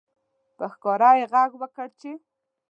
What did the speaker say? په ښکاره یې غږ وکړ چې